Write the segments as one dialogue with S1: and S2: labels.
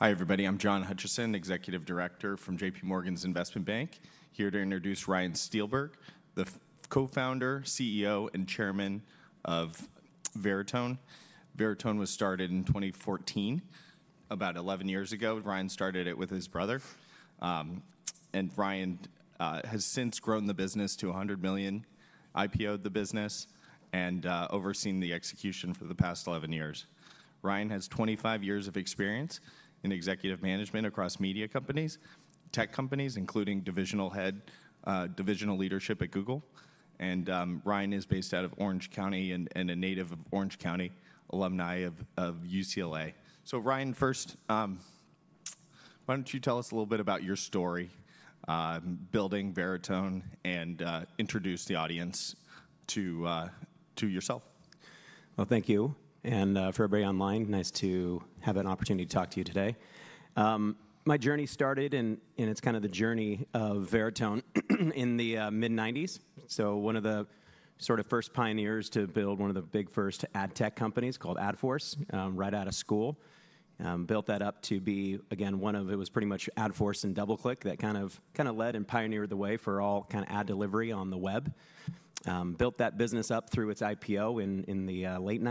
S1: Hi, everybody. I'm John Hutchison, Executive Director from JPMorgan's Investment Bank, here to introduce Ryan Steelberg, the Co-founder, CEO, and Chairman of Veritone. Veritone was started in 2014, about 11 years ago. Ryan started it with his brother. Ryan has since grown the business to $100 million, IPO'd the business, and overseen the execution for the past 11 years. Ryan has 25 years of experience in executive management across media companies, tech companies, including divisional head divisional leadership at Google. Ryan is based out of Orange County and a native of Orange County, alumni of UCLA. So Ryan, first, why don't you tell us a little bit about your story building Veritone and introduce the audience to yourself?
S2: Thank you. For everybody online, nice to have an opportunity to talk to you today. My journey started, and it's kind of the journey of Veritone, in the mid-1990s. One of the sort of first pioneers to build one of the big first ad tech companies called Adforce, right out of school. Built that up to be, again, one of it was pretty much Adforce and DoubleClick that kind of led and pioneered the way for all kind of ad delivery on the web. Built that business up through its IPO in the late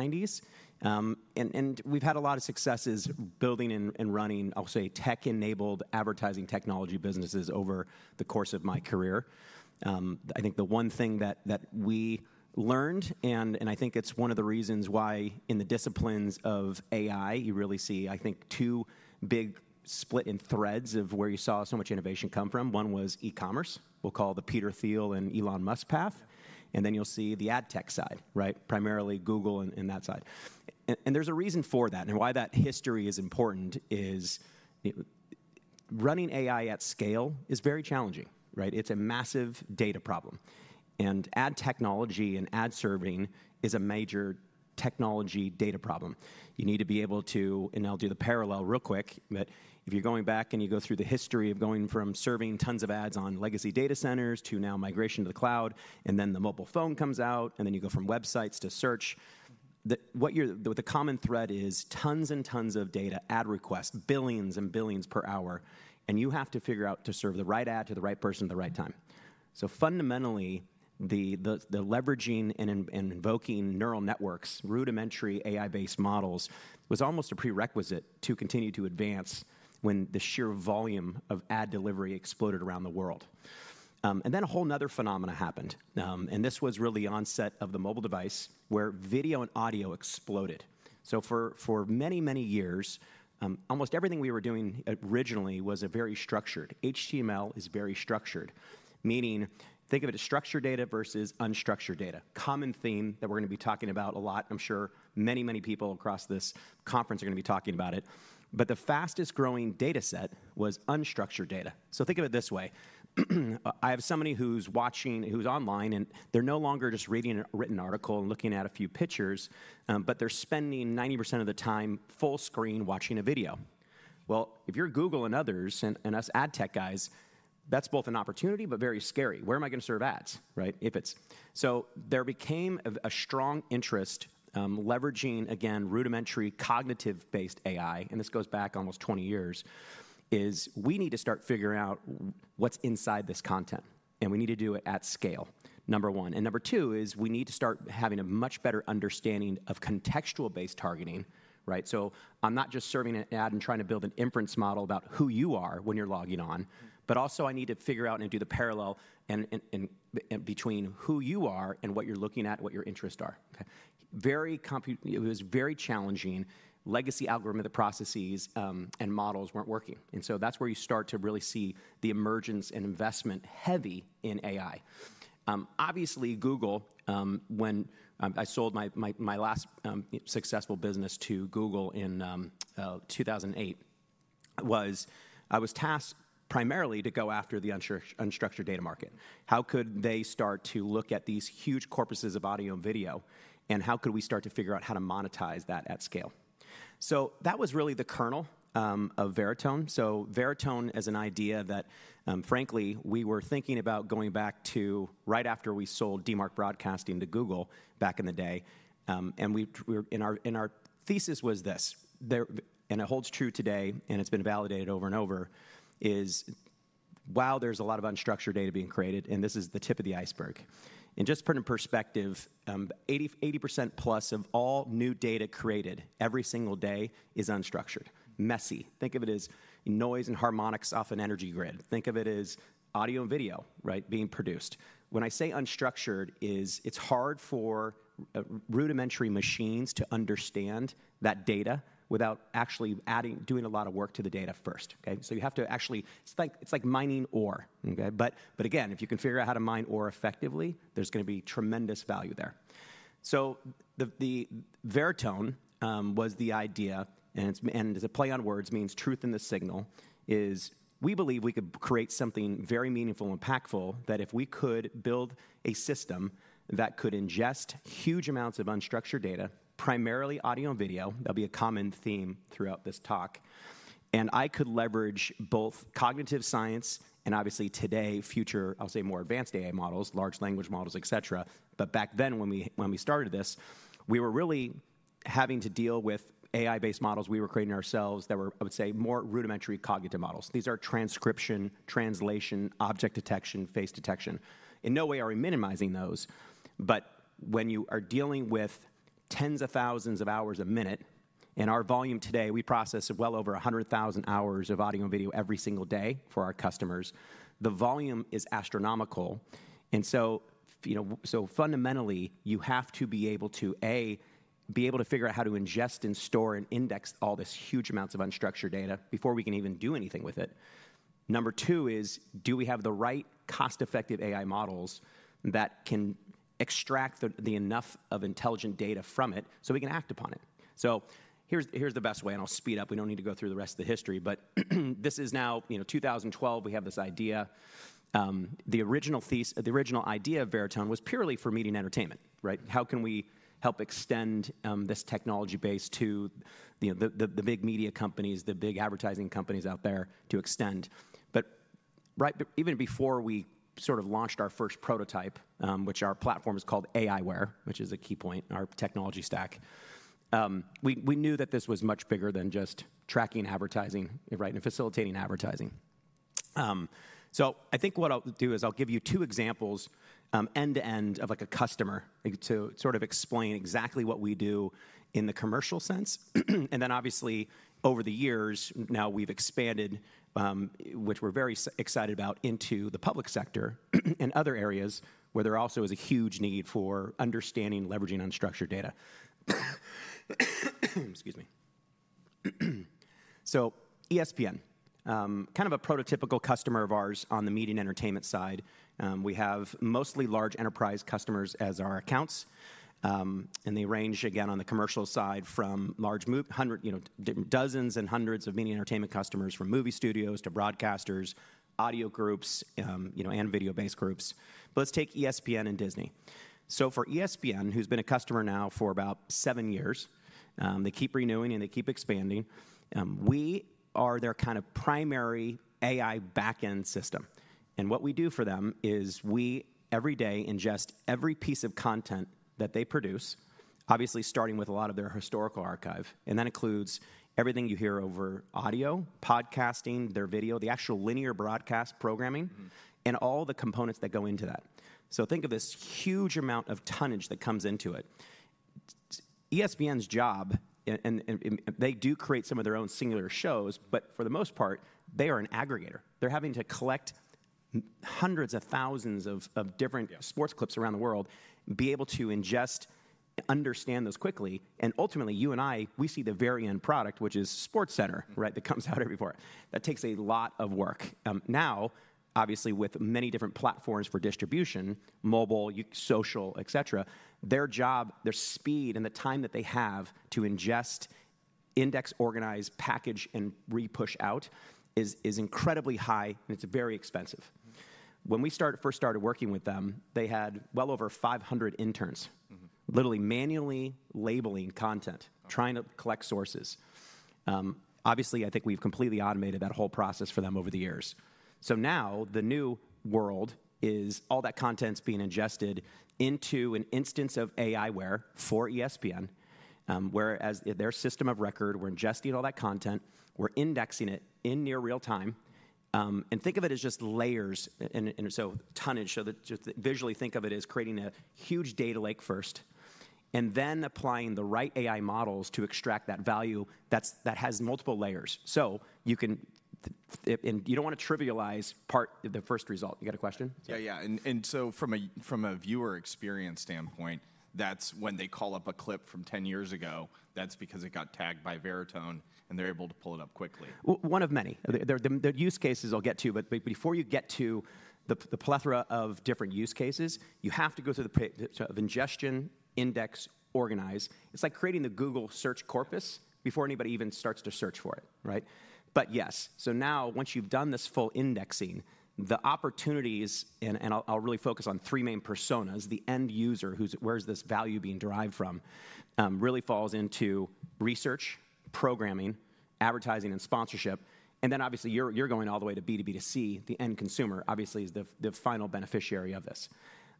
S2: 1990s. We have had a lot of successes building and running, I'll say, tech-enabled advertising technology businesses over the course of my career. I think the one thing that we learned, and I think it's one of the reasons why in the disciplines of AI, you really see, I think, two big split in threads of where you saw so much innovation come from. One was e-commerce. We'll call the Peter Thiel and Elon Musk path. Then you'll see the ad tech side, primarily Google and that side. There is a reason for that. Why that history is important is, running AI at scale is very challenging. It's a massive data problem. Ad technology and ad serving is a major technology data problem. You need to be able to, and I'll do the parallel real quick, but if you're going back and you go through the history of going from serving tons of ads on legacy data centers to now migration to the cloud, and then the mobile phone comes out, and then you go from websites to search, what the common thread is tons and tons of data ad requests, billions and billions per hour. You have to figure out to serve the right ad to the right person at the right time. Fundamentally, the leveraging and invoking neural networks, rudimentary AI-based models, was almost a prerequisite to continue to advance when the sheer volume of ad delivery exploded around the world. A whole nother phenomena happened. This was really the onset of the mobile device, where video and audio exploded. For many, many years, almost everything we were doing originally was very structured. HTML is very structured, meaning think of it as structured data versus unstructured data. Common theme that we're going to be talking about a lot. I'm sure many, many people across this conference are going to be talking about it. The fastest growing data set was unstructured data. Think of it this way. I have somebody who's watching, who's online, and they're no longer just reading a written article and looking at a few pictures, but they're spending 90% of the time full screen watching a video. If you're Google and others and us ad tech guys, that's both an opportunity, but very scary. Where am I going to serve ads, right? If it's there became a strong interest leveraging, again, rudimentary cognitive-based AI. This goes back almost 20 years. We need to start figuring out what's inside this content. We need to do it at scale, number one. Number two is we need to start having a much better understanding of contextual-based targeting, right? So i'm not just serving an ad and trying to build an inference model about who you are when you're logging on, but also I need to figure out and do the parallel in between who you are and what you're looking at, what your interests are. Very copy, it was very challenging. Legacy algorithmic processes and models were not working. That is where you start to really see the emergence and investment heavy in AI. Obviously, Google, when I sold my last successful business to Google in 2008, I was tasked primarily to go after the unstructured data market. How could they start to look at these huge corpuses of audio and video, and how could we start to figure out how to monetize that at scale? So that was really the kernel of Veritone. Veritone as an idea that, frankly, we were thinking about going back to right after we sold DMARC Broadcasting to Google back in the day. Our thesis was this, and it holds true today, and it has been validated over and over, is, wow, there is a lot of unstructured data being created, and this is the tip of the iceberg. Just to put it in perspective, 80%+ of all new data created every single day is unstructured. Messy. Think of it as noise and harmonics off an energy grid. Think of it as audio and video being produced. When I say unstructured, it's hard for rudimentary machines to understand that data without actually doing a lot of work to the data first. You have to actually, it's like mining ore. Again, if you can figure out how to mine ore effectively, there's going to be tremendous value there. So, Veritone was the idea, and it's a play on words, means truth in the signal, is we believe we could create something very meaningful and impactful that if we could build a system that could ingest huge amounts of unstructured data, primarily audio and video, that'll be a common theme throughout this talk. I could leverage both cognitive science and obviously today, future, I'll say more advanced AI models, large language models, et cetera. Back then when we started this, we were really having to deal with AI-based models we were creating ourselves that were, I would say, more rudimentary cognitive models. These are transcription, translation, object detection, face detection. In no way are we minimizing those, but when you are dealing with tens of thousands of hours a minute, and our volume today, we process well over 100,000 hours of audio and video every single day for our customers. The volume is astronomical. Fundamentally, you have to be able to, A, be able to figure out how to ingest and store and index all this huge amounts of unstructured data before we can even do anything with it. Number two is, do we have the right cost-effective AI models that can extract enough of intelligent data from it so we can act upon it? Here's the best way, and I'll speed up. We don't need to go through the rest of the history. This is now 2012. We have this idea. The original thesis, the original idea of Veritone was purely for media and entertainment. How can we help extend this technology base to the big media companies, the big advertising companies out there to extend? Even before we sort of launched our first prototype, which our platform is called aiWARE, which is a key point in our technology stack, we knew that this was much bigger than just tracking advertising and facilitating advertising. I think what I'll do is I'll give you two examples end to end of a customer to sort of explain exactly what we do in the commercial sense. Obviously, over the years, now we've expanded, which we're very excited about, into the public sector and other areas where there also is a huge need for understanding, leveraging unstructured data. Excuse me. ESPN, kind of a prototypical customer of ours on the media and entertainment side. We have mostly large enterprise customers as our accounts. They range, again, on the commercial side from dozens and hundreds of media and entertainment customers from movie studios to broadcasters, audio groups, and video-based groups. Let's take ESPN and Disney. For ESPN, who's been a customer now for about seven years, they keep renewing and they keep expanding. We are their kind of primary AI back-end system. What we do for them is we, every day, ingest every piece of content that they produce, obviously starting with a lot of their historical archive. That includes everything you hear over audio, podcasting, their video, the actual linear broadcast programming, and all the components that go into that. Think of this huge amount of tonnage that comes into it. ESPN's job, and they do create some of their own singular shows, but for the most part, they are an aggregator. They're having to collect hundreds of thousands of different sports clips around the world, be able to ingest and understand those quickly. Ultimately, you and I, we see the very end product, which is SportsCenter that comes out every four. That takes a lot of work. Now obviously, with many different platforms for distribution, mobile, social, et cetera, their job, their speed, and the time that they have to ingest, index, organize, package, and re-push out is incredibly high, and it's very expensive. When we first started working with them, they had well over 500 interns literally manually labeling content, trying to collect sources. Obviously, I think we've completely automated that whole process for them over the years. Now the new world is all that content's being ingested into an instance of aiWARE for ESPN, whereas their system of record, we're ingesting all that content, we're indexing it in near real time. Think of it as just layers, tonnage. Visually think of it as creating a huge data lake first, and then applying the right AI models to extract that value that has multiple layers. So you can, you don't want to trivialize part of the first result. You got a question?
S1: Yeah, yeah. And so from a viewer experience standpoint, that's when they call up a clip from 10 years ago, that's because it got tagged by Veritone, and they're able to pull it up quickly.
S2: One of many. The use cases I'll get to. Before you get to the plethora of different use cases, you have to go through the ingestion, index, organize. It's like creating the Google search corpus before anybody even starts to search for it, right. But yes, now once you've done this full indexing, the opportunities, and I'll really focus on three main personas, the end user, where is this value being derived from, really falls into research, programming, advertising, and sponsorship. Obviously, you're going all the way to B2B2C, the end consumer, obviously, is the final beneficiary of this.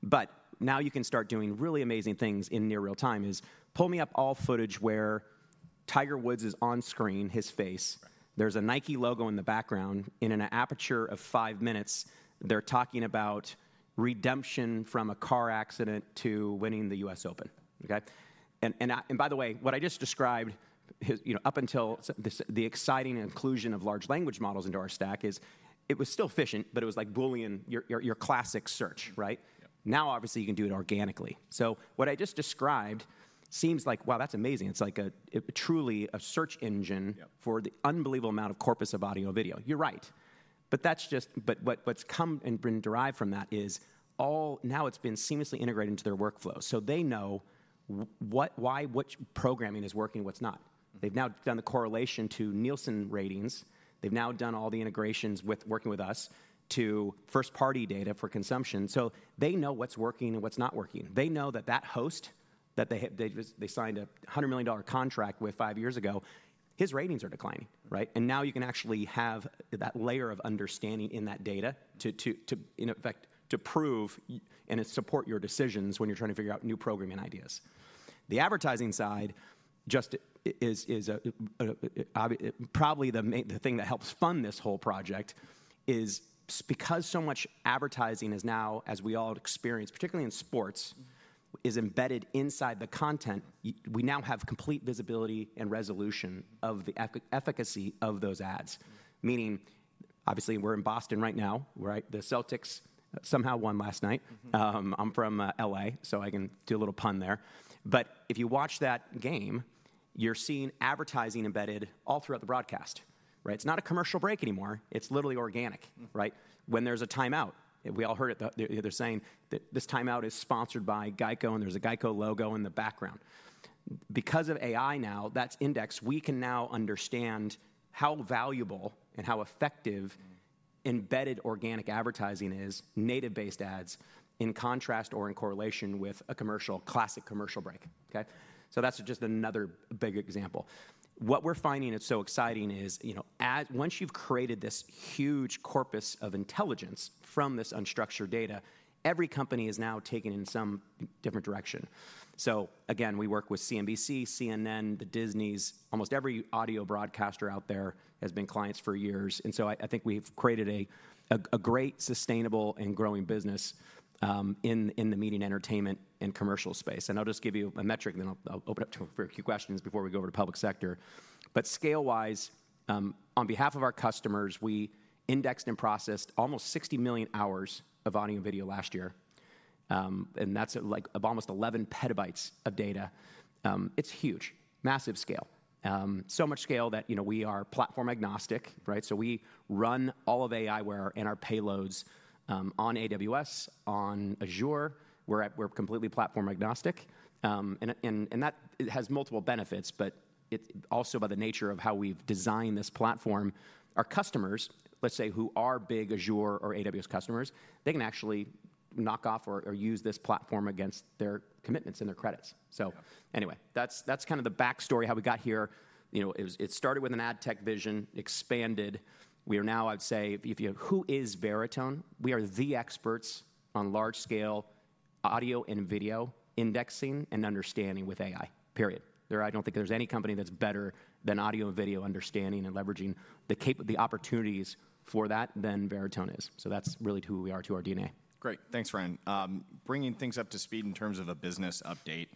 S2: But now you can start doing really amazing things in near real time is pull me up all footage where Tiger Woods is on screen, his face. There's a Nike logo in the background. In an aperture of five minutes, they're talking about redemption from a car accident to winning the U.S. Open. By the way, what I just described, up until the exciting inclusion of large language models into our stack, it was still efficient, but it was like Boolean, your classic search. Now, obviously, you can do it organically. What I just described seems like, wow, that's amazing. It's like truly a search engine for the unbelievable amount of corpus of audio and video. You're right. What's come and been derived from that is now it's been seamlessly integrated into their workflow. They know why which programming is working and what's not. They've now done the correlation to Nielsen ratings. They've now done all the integrations working with us to first-party data for consumption. So they know what's working and what's not working. They know that that host that they signed a $100 million contract with five years ago, his ratings are declining. You can actually have that layer of understanding in that data to, in effect, to prove and support your decisions when you're trying to figure out new programming ideas. The advertising side just is probably the thing that helps fund this whole project is because so much advertising is now, as we all experience, particularly in sports, is embedded inside the content, we now have complete visibility and resolution of the efficacy of those ads. Meaning, obviously, we're in Boston right now. The Celtics somehow won last night. I'm from LA, so I can do a little pun there. If you watch that game, you're seeing advertising embedded all throughout the broadcast. It's not a commercial break anymore. It's literally organic, right. When there's a timeout, we all heard it. They're saying this timeout is sponsored by Geico, and there's a Geico logo in the background. Because of AI now, that's indexed. We can now understand how valuable and how effective embedded organic advertising is, native-based ads, in contrast or in correlation with a classic commercial break. That's just another big example. What we're finding is so exciting is you know ads, once you've created this huge corpus of intelligence from this unstructured data, every company is now taken in some different direction. We work with CNBC, CNN, the Disney's. Almost every audio broadcaster out there has been clients for years. I think we've created a great, sustainable, and growing business in the media and entertainment and commercial space. I'll just give you a metric, and then I'll open it up to a few questions before we go over to public sector. Scale-wise, on behalf of our customers, we indexed and processed almost 60 million hours of audio and video last year. That's like almost 11 PB of data. It's huge, massive scale. So much scale that we are platform agnostic. We run all of aiWARE and our payloads on AWS, on Azure. We're completely platform agnostic. That has multiple benefits, but also by the nature of how we've designed this platform, our customers, let's say, who are big Azure or AWS customers, they can actually knock off or use this platform against their commitments and their credits. Anyway, that's kind of the backstory how we got here. It started with an ad tech vision, expanded. We are now, I'd say, if you, who is Veritone? We are the experts on large-scale audio and video indexing and understanding with AI. Period. I don't think there's any company that's better than audio and video understanding and leveraging the opportunities for that than Veritone is. That is really who we are to our DNA.
S1: Great. Thanks, Ryan. Bringing things up to speed in terms of a business update.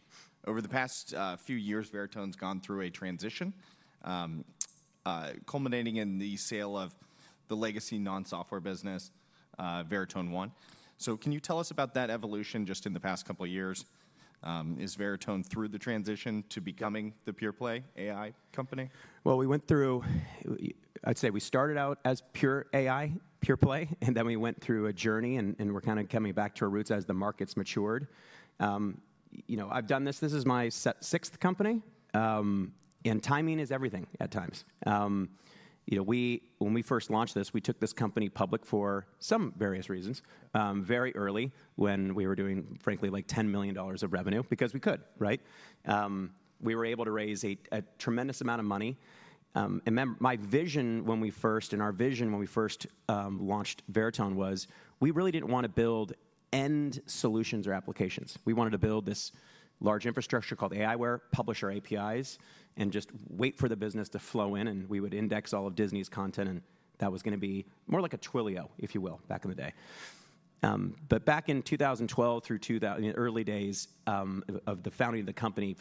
S1: Over the past few years, Veritone's gone through a transition, culminating in the sale of the legacy non-software business, Veritone One. Can you tell us about that evolution just in the past couple of years? Is Veritone through the transition to becoming the pure-play AI company?
S2: We went through, I'd say we started out as pure AI, pure play, and then we went through a journey, and we're kind of coming back to our roots as the markets matured. I've done this. This is my sixth company. Timing is everything at times. When we first launched this, we took this company public for some various reasons, very early, when we were doing, frankly, like $10 million of revenue because we could, right. We were able to raise a tremendous amount of money. My vision when we first, and our vision when we first launched Veritone was we really didn't want to build end solutions or applications. We wanted to build this large infrastructure called aiWARE, publisher APIs, and just wait for the business to flow in. We would index all of Disney's content, and that was going to be more like a Twilio, if you will, back in the day. Back in 2012 through the early days of the founding of the company,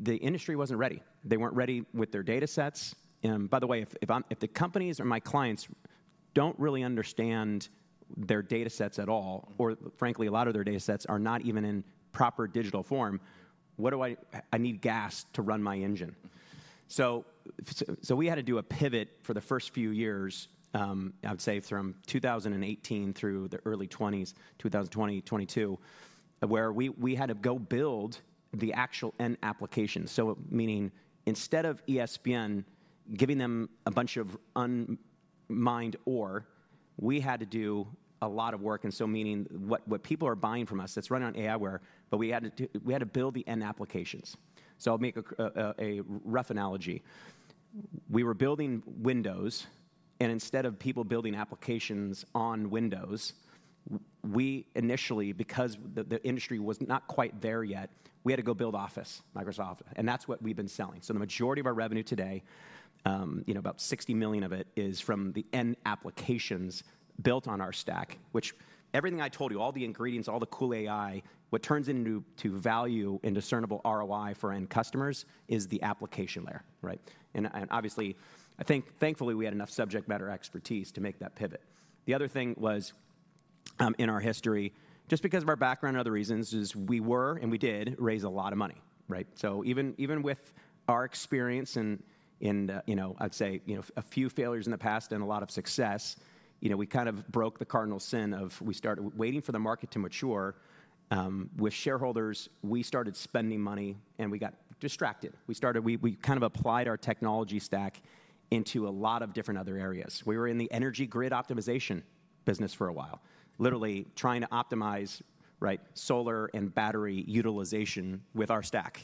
S2: the industry was not ready. They were not ready with their data sets. By the way, if the companies or my clients do not really understand their data sets at all, or frankly, a lot of their data sets are not even in proper digital form, I need gas to run my engine. So we had to do a pivot for the first few years, I would say from 2018 through the early 2020s, 2020, 2022, where we had to go build the actual end application. Meaning, instead of ESPN giving them a bunch of unmined ore, we had to do a lot of work. Meaning what people are buying from us, that's running on aiWARE, but we had to build the end applications. I'll make a rough analogy. We were building Windows. Instead of people building applications on Windows, we initially, because the industry was not quite there yet, had to go build Office, Microsoft Office. That's what we've been selling. The majority of our revenue today, about $60 million of it, is from the end applications built on our stack, which everything I told you, all the ingredients, all the cool AI, what turns into value and discernible ROI for end customers is the application layer. Obviously, I think thankfully we had enough subject matter expertise to make that pivot. The other thing was in our history, just because of our background and other reasons, we were, and we did, raise a lot of money. Even with our experience and, I'd say, a few failures in the past and a lot of success, we kind of broke the cardinal sin of we started waiting for the market to mature. With shareholders, we started spending money, and we got distracted. We kind of applied our technology stack into a lot of different other areas. We were in the energy grid optimization business for a while, literally trying to optimize solar and battery utilization with our stack.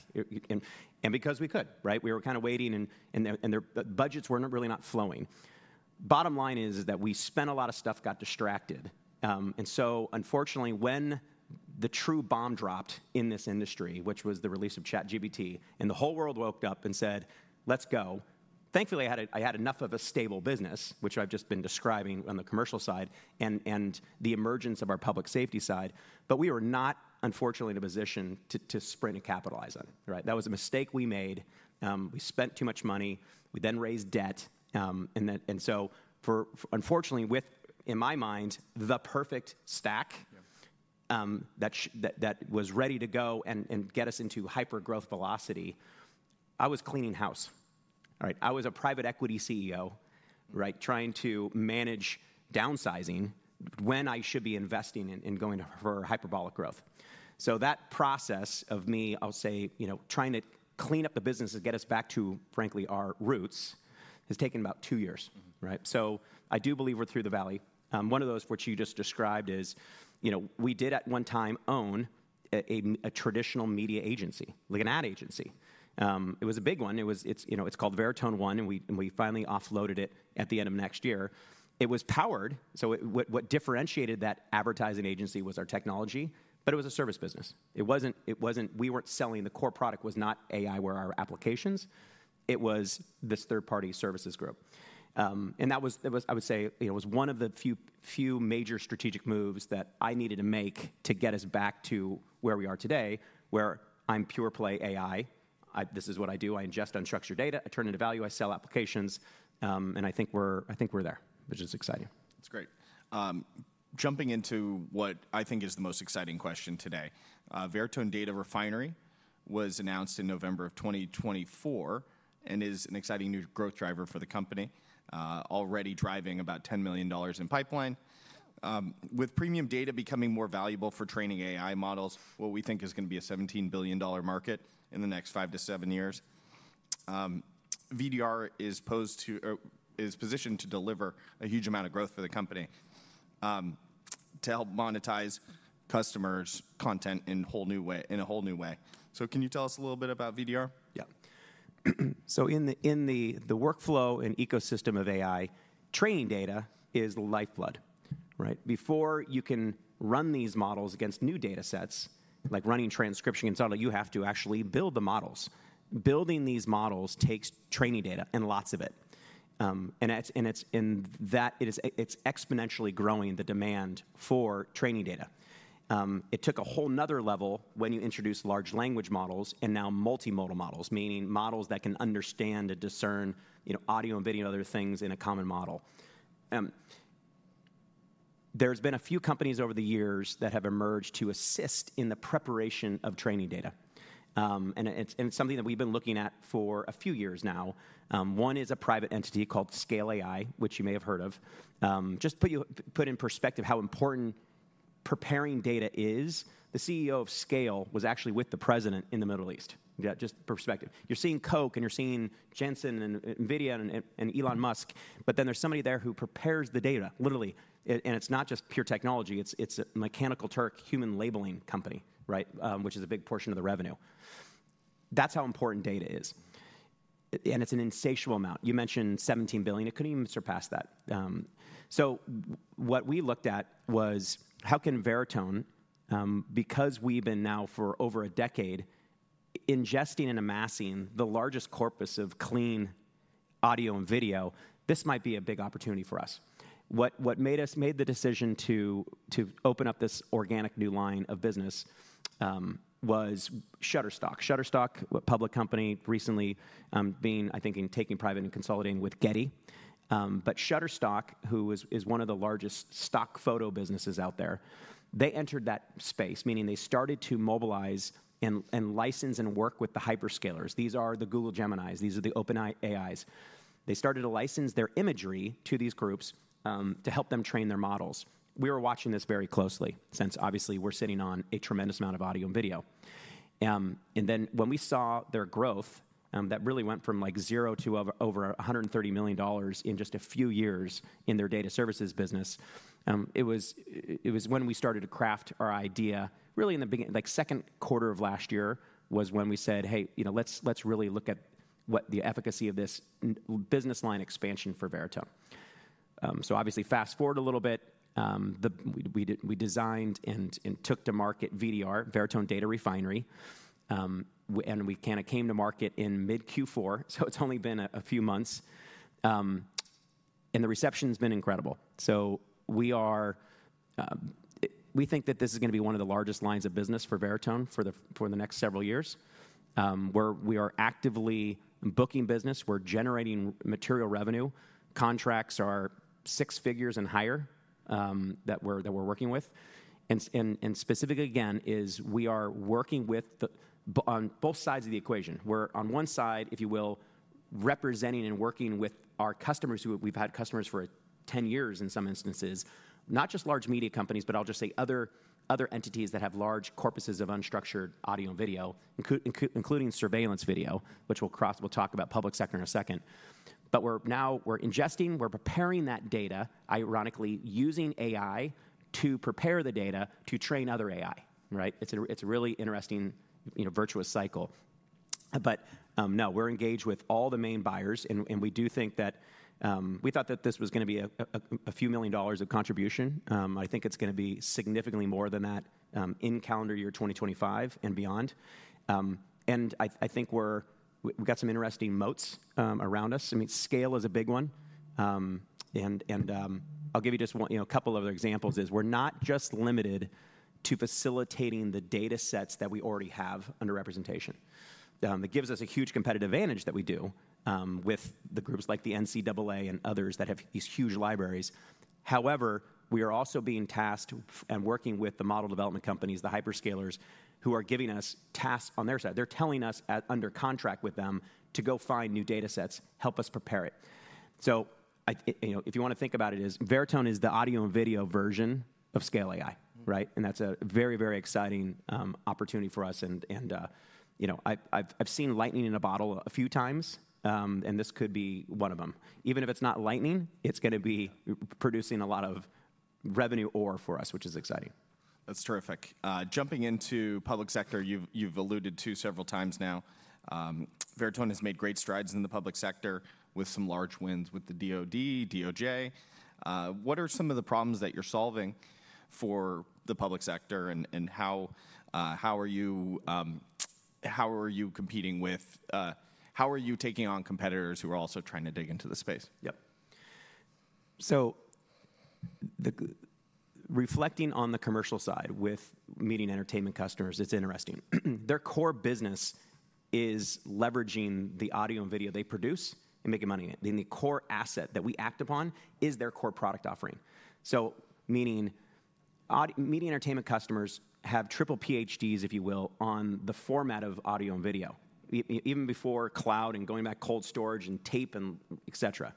S2: Because we could, we were kind of waiting, and the budgets were really not flowing. Bottom line is that we spent a lot of stuff, got distracted. Unfortunately, when the true bomb dropped in this industry, which was the release of ChatGPT, and the whole world woke up and said, "Let's go." Thankfully, I had enough of a stable business, which I've just been describing on the commercial side and the emergence of our public safety side. We were not, unfortunately, in a position to sprint and capitalize on it. That was a mistake we made. We spent too much money. We then raised debt. Unfortunately, in my mind, the perfect stack that was ready to go and get us into hyper-growth velocity, I was cleaning house. I was a private equity CEO trying to manage downsizing when I should be investing and going for hyperbolic growth. That process of me, I'll say, trying to clean up the business and get us back to, frankly, our roots has taken about two years. I do believe we're through the valley. One of those which you just described is we did at one time own a traditional media agency, like an ad agency. It was a big one. It's called Veritone One, and we finally offloaded it at the end of last year. It was powered. What differentiated that advertising agency was our technology, but it was a service business. We weren't selling. The core product was not aiWARE or our applications. It was this third-party services group. That was, I would say, one of the few major strategic moves that I needed to make to get us back to where we are today, where I'm pure play AI. This is what I do. I ingest unstructured data. I turn it into value. I sell applications. I think we are there, which is exciting.
S1: That's great. Jumping into what I think is the most exciting question today, Veritone Data Refinery was announced in November of 2024 and is an exciting new growth driver for the company, already driving about $10 million in pipeline. With premium data becoming more valuable for training AI models, what we think is going to be a $17 billion market in the next five to seven years. VDR is positioned to deliver a huge amount of growth for the company to help monetize customers' content in whole new way, in a whole new way. Can you tell us a little bit about VDR?
S2: Yeah. In the workflow and ecosystem of AI, training data is lifeblood. Before you can run these models against new data sets, like running transcription and so on, you have to actually build the models. Building these models takes training data and lots of it. It is exponentially growing, the demand for training data. It took a whole nother level when you introduce large language models and now multimodal models, meaning models that can understand and discern audio and video and other things in a common model. There have been a few companies over the years that have emerged to assist in the preparation of training data. It is something that we have been looking at for a few years now. One is a private entity called Scale AI, which you may have heard of. Just to put in perspective how important preparing data is, the CEO of Scale was actually with the president in the Middle East. Just perspective. You're seeing Coke and you're seeing Jensen and NVIDIA and Elon Musk, but then there's somebody there who prepares the data, literally. It is not just pure technology. It is a mechanical turk, human labeling company right? Which is a big portion of the revenue. That is how important data is. It is an insatiable amount. You mentioned $17 billion. It could even surpass that. What we looked at was how can Veritone, because we have been now for over a decade ingesting and amassing the largest corpus of clean audio and video, this might be a big opportunity for us. What made us make the decision to open up this organic new line of business was Shutterstock. Shutterstock, a public company, recently being, I think, taken private and consolidating with Getty. Shutterstock, who is one of the largest stock photo businesses out there, they entered that space, meaning they started to mobilize and license and work with the hyperscalers. These are the Google Geminis. These are the OpenAI AIs. They started to license their imagery to these groups to help them train their models. We were watching this very closely since, obviously, we're sitting on a tremendous amount of audio and video. When we saw their growth, that really went from like zero to over $130 million in just a few years in their data services business. It was when we started to craft our idea, really in the second quarter of last year was when we said, "Hey, let's really look at the efficacy of this business line expansion for Veritone." Obviously, fast forward a little bit. We designed and took to market VDR, Veritone Data Refinery. We kind of came to market in mid-Q4. It has only been a few months. The reception has been incredible. We are, we think that this is going to be one of the largest lines of business for Veritone for the next several years. We are actively booking business. We are generating material revenue. Contracts are six figures and higher that we are working with, and specifically, again, we are working with on both sides of the equation. We're on one side, if you will, representing and working with our customers who we've had customers for 10 years in some instances, not just large media companies, but I'll just say other entities that have large corpuses of unstructured audio and video, including surveillance video, which we'll talk about public sector in a second. Now we're ingesting. We're preparing that data, ironically, using AI to prepare the data to train other AI. It's a really interesting virtuous cycle. No, we're engaged with all the main buyers. We do think that we thought that this was going to be a few million dollars of contribution. I think it's going to be significantly more than that in calendar year 2025 and beyond. I think we've got some interesting moats around us. I mean, scale is a big one. I'll give you just a couple of other examples. We're not just limited to facilitating the data sets that we already have under representation. It gives us a huge competitive advantage that we do with groups like the NCAA and others that have these huge libraries. However, we are also being tasked and working with the model development companies, the hyperscalers, who are giving us tasks on their side. They're telling us under contract with them to go find new data sets, help us prepare it. So if you want to think about it, Veritone is the audio and video version of Scale AI. That's a very, very exciting opportunity for us. I've seen lightning in a bottle a few times, and this could be one of them. Even if it's not lightning, it's going to be producing a lot of revenue ore for us, which is exciting.
S1: That's terrific. Jumping into public sector, you've alluded to several times now. Veritone has made great strides in the public sector with some large wins with the DOD, DOJ. What are some of the problems that you're solving for the public sector, and how are you competing with, how are you taking on competitors who are also trying to dig into the space?
S2: Yep. Reflecting on the commercial side with media entertainment customers, it's interesting. Their core business is leveraging the audio and video they produce and make money in. The core asset that we act upon is their core product offering. Media entertainment customers have triple PhDs, if you will, on the format of audio and video, even before cloud and going back cold storage and tape and et cetera.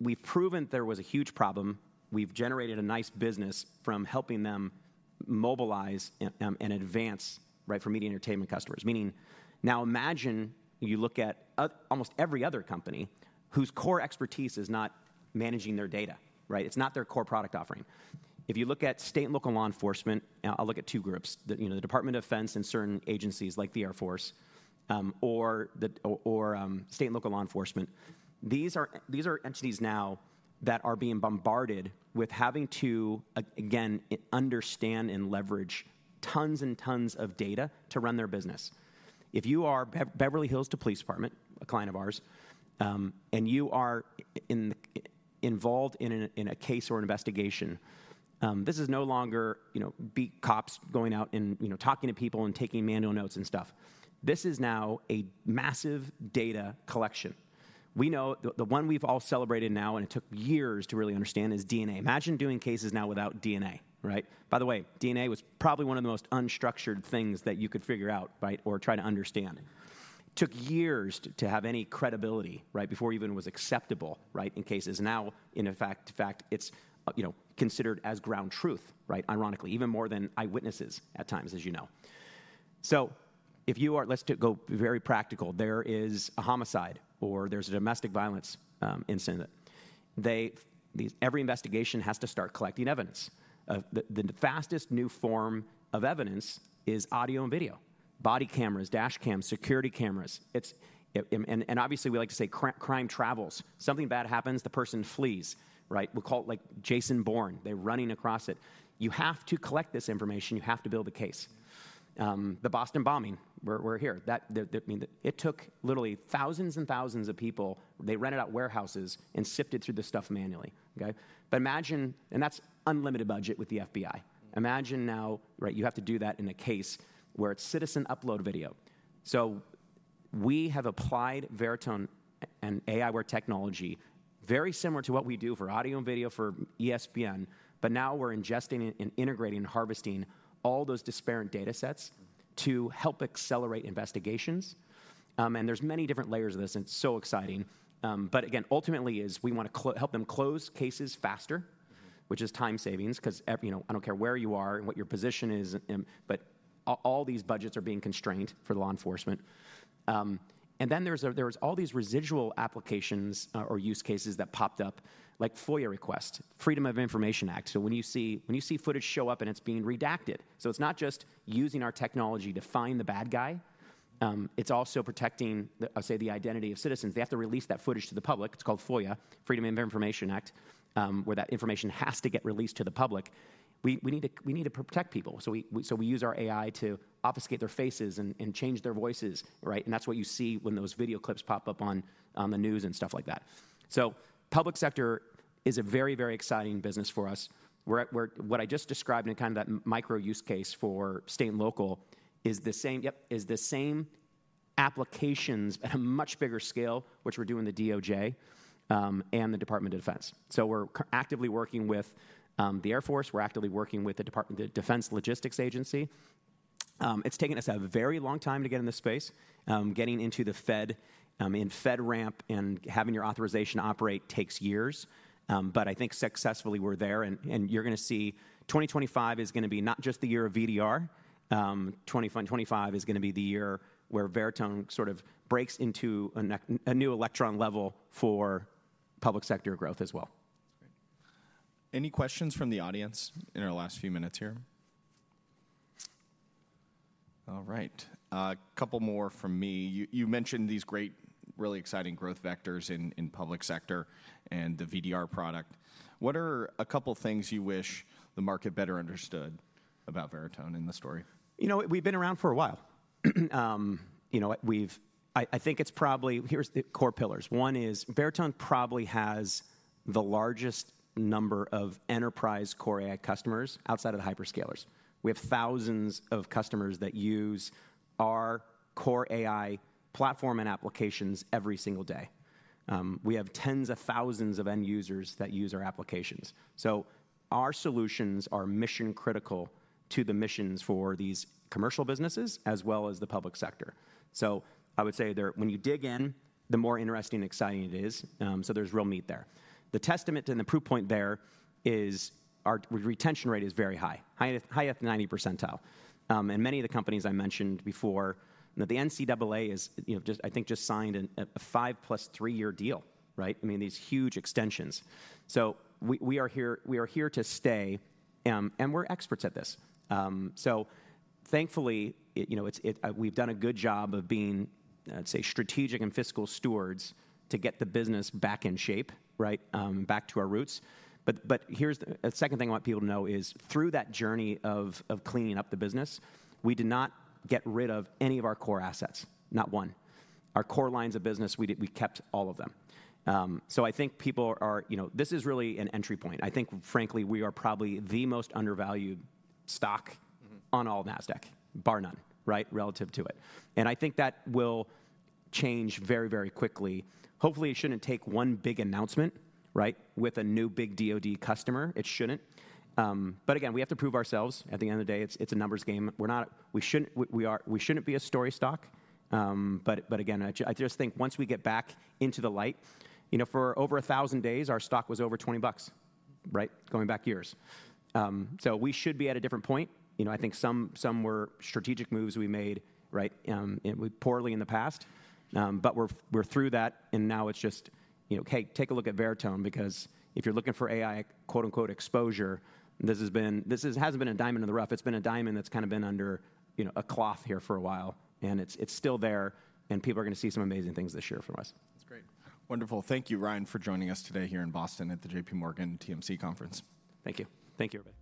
S2: We've proven there was a huge problem. We've generated a nice business from helping them mobilize and advance for media entertainment customers. Meaning, now imagine you look at almost every other company whose core expertise is not managing their data. It's not their core product offering. If you look at state and local law enforcement, I'll look at two groups, the Department of Defense and certain agencies like the Air Force or state and local law enforcement. These are entities now that are being bombarded with having to, again, understand and leverage tons and tons of data to run their business. If you are Beverly Hills Police Department, a client of ours, and you are involved in a case or investigation, this is no longer cops going out and talking to people and taking manual notes and stuff. This is now a massive data collection. We know the one we've all celebrated now, and it took years to really understand is DNA. Imagine doing cases now without DNA. By the way, DNA was probably one of the most unstructured things that you could figure out or try to understand. Took years to have any credibility before it even was acceptable in cases. Now, in fact, it's considered as ground truth, ironically, even more than eyewitnesses at times, as you know. So if you are, let's go very practical. There is a homicide or there's a domestic violence incident. Every investigation has to start collecting evidence. The fastest new form of evidence is audio and video, body cameras, dash cams, security cameras. Obviously, we like to say crime travels. Something bad happens, the person flees. We'll call it like Jason Bourne. They're running across it. You have to collect this information. You have to build a case. The Boston bombing, we're here. It took literally thousands and thousands of people. They rented out warehouses and sifted through the stuff manually. Imagine, and that's unlimited budget with the FBI. Imagine now you have to do that in a case where it's citizen upload video. We have applied Veritone and aiWARE technology very similar to what we do for audio and video for ESPN, but now we're ingesting and integrating and harvesting all those disparate data sets to help accelerate investigations. There are many different layers of this. It's so exciting. Ultimately, we want to help them close cases faster, which is time savings because I don't care where you are and what your position is, but all these budgets are being constrained for law enforcement. There are all these residual applications or use cases that popped up, like FOIA request, Freedom of Information Act. When you see footage show up and it's being redacted. It's not just using our technology to find the bad guy. It's also protecting, I'll say, the identity of citizens. They have to release that footage to the public. It's called FOIA, Freedom of Information Act, where that information has to get released to the public. We need to protect people. We use our AI to obfuscate their faces and change their voices. That's what you see when those video clips pop up on the news and stuff like that. Public sector is a very, very exciting business for us. What I just described in kind of that micro use case for state and local is the same applications at a much bigger scale, which we're doing with the DOJ and the Department of Defense. We're actively working with the Air Force. We're actively working with the Department of Defense Logistics Agency. It's taken us a very long time to get in this space. Getting into the Fed and FedRAMP and having your authorization operate takes years. I think successfully we're there. You're going to see 2025 is going to be not just the year of VDR. 2025 is going to be the year where Veritone sort of breaks into a new electron level for public sector growth as well.
S1: Any questions from the audience in our last few minutes here? All right. A couple more from me. You mentioned these great, really exciting growth vectors in public sector and the VDR product. What are a couple of things you wish the market better understood about Veritone in the story?
S2: We've been around for a while. I think it's probably here's the core pillars. One is Veritone probably has the largest number of enterprise core AI customers outside of the hyperscalers. We have thousands of customers that use our core AI platform and applications every single day. We have tens of thousands of end users that use our applications. So our solutions are mission critical to the missions for these commercial businesses as well as the public sector. I would say when you dig in, the more interesting and exciting it is. There's real meat there. The testament and the proof point there is our retention rate is very high, high at the 90% percentile. Many of the companies I mentioned before, the NCAA is, I think, just signed a five plus three year deal. I mean, these huge extensions. We are here to stay, and we're experts at this. Thankfully, we've done a good job of being, I'd say, strategic and fiscal stewards to get the business back in shape, back to our roots. Here's the second thing I want people to know is through that journey of cleaning up the business, we did not get rid of any of our core assets, not one. Our core lines of business, we kept all of them. I think people are this is really an entry point. I think, frankly, we are probably the most undervalued stock on all Nasdaq, bar none, relative to it. I think that will change very, very quickly. Hopefully, it shouldn't take one big announcement with a new big DOD customer. It shouldn't. Again, we have to prove ourselves. At the end of the day, it's a numbers game. We should not be a story stock. Again, I just think once we get back into the light, for over 1,000 days, our stock was over $20 going back years. We should be at a different point. I think some were strategic moves we made poorly in the past. We are through that. Now it is just, hey, take a look at Veritone because if you are looking for AI, quote unquote, exposure, this has not been a diamond in the rough. It has been a diamond that has kind of been under a cloth here for a while. It is still there. People are going to see some amazing things this year from us.
S1: That's great. Wonderful. Thank you, Ryan, for joining us today here in Boston at the JPMorgan TMC Conference. Thank you.
S2: Thank you, everybody.